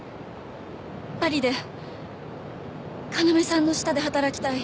パリで要さんの下で働きたい。